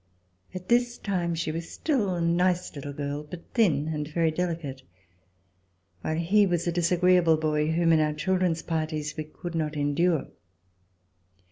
At this time she was still a nice little girl, but thin and very delicate, while he was a disagreeable boy whom in our chil dren's parties we could not endure.